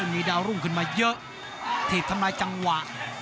มีดาวรุ่งขึ้นมาเยอะถีบทำลายจังหวะ